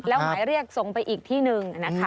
แล้วหมายเรียกส่งไปอีกที่หนึ่งนะคะ